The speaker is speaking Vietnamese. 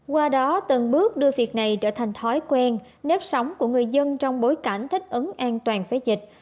qua đó từng bước đưa việc này trở thành thói quen nếp sống của người dân trong bối cảnh thích ứng an toàn với dịch